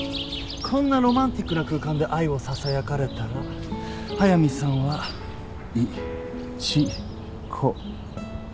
こんなロマンチックな空間で愛をささやかれたら速見さんはい・ち・こ・ろ。